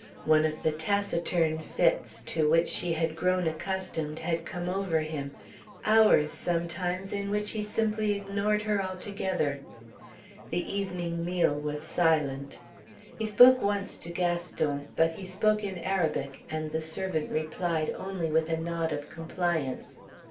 One of the taciturn fits to which she had grown accustomed had come over him hours sometimes in which he simply ignored her altogether. The evening meal was silent. He spoke once to Gaston, but he spoke in Arabic, and the servant replied only with a nod of compliance.